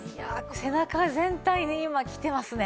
背中全体に今きてますね。